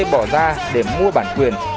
bỏ ra để mua bản quyền